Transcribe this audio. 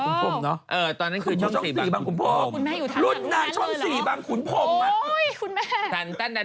ครุ่งแม่นแบบนี้ก็แขละตัวเอง